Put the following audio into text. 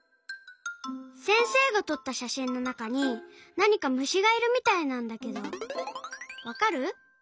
せんせいがとったしゃしんのなかになにかむしがいるみたいなんだけどわかる？